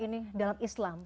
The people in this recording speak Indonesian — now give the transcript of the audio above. ini dalam islam